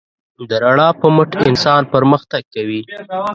د رڼا په مټ انسان پرمختګ کوي.